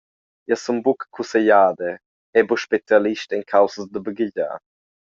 Jeu sun buca cussegliader, era buca specialist en caussas da baghegiar.